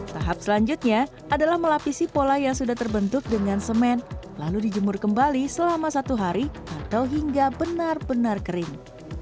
tahap selanjutnya adalah melapisi pola yang sudah terbentuk dengan semen lalu dijemur kembali selama satu hari atau hingga benar benar kering